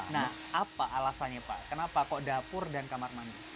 nah apa alasannya pak kenapa kok dapur dan kamar mandi